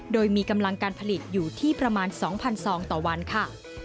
โดยมีกำลังการผลิตอยู่ที่ประมาณ๒๐๐ซองต่อวันค่ะ